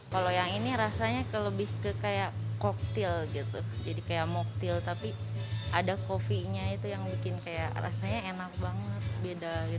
kalau yang ini rasanya lebih ke kayak koktil gitu jadi kayak moktil tapi ada kopinya itu yang bikin kayak rasanya enak banget beda